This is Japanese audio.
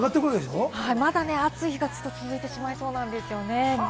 まだ暑い日が続いていきそうなんですよね。